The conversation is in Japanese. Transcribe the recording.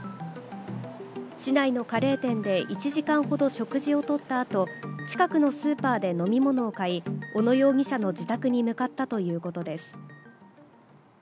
市内のカレー店で１時間ほど食事をとったあと、近くのスーパーで飲み物を買い、小野容疑者の自宅に向かったということです。